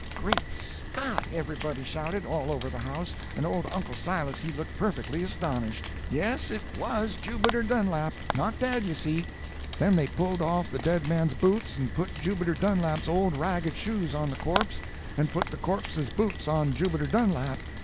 _" "Great Scott!" everybody shouted, all over the house, and old Uncle Silas he looked perfectly astonished. "Yes, it was Jubiter Dunlap. Not dead, you see. Then they pulled off the dead man's boots and put Jubiter Dunlap's old ragged shoes on the corpse and put the corpse's boots on Jubiter Dunlap.